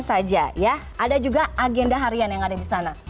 saja ya ada juga agenda harian yang ada di sana